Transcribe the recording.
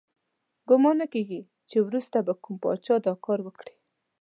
ګمان نه کیږي چې وروسته به کوم پاچا دا کار وکړي.